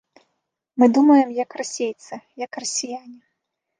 Мы думаем як расейцы, як расіяне.